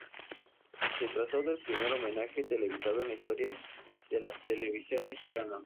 Se trató del primer homenaje televisado en la historia de la televisión mexicana.